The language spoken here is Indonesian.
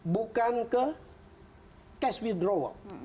bukan ke cash withdrawal